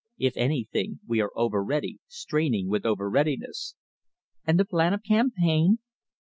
If anything, we are over ready, straining with over readiness." "And the plan of campaign?"